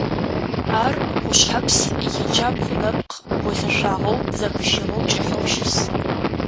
Ар Къушъхьэпс иджабгъу нэпкъ голъэшъуагъэу зэпыщыгъэу кӀыхьэу щыс.